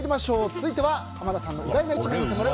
続いては濱田さんの意外な一面に迫る